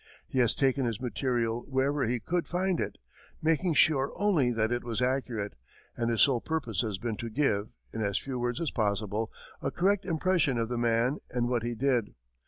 He has taken his material wherever he could find it, making sure only that it was accurate, and his sole purpose has been to give, in as few words as possible, a correct impression of the man and what he did.